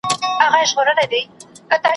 وسله هغه ده چي په لاس کي وي `